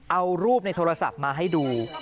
เอารูปในโทรศัพท์มาให้ดู